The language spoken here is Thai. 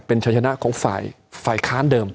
เป็นชัยชนะของฝ่ายค้านเดิม